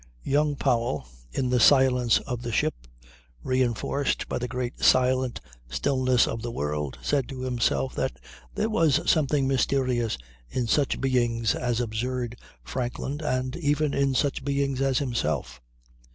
Young Powell, in the silence of the ship, reinforced by the great silent stillness of the world, said to himself that there was something mysterious in such beings as the absurd Franklin, and even in such beings as himself.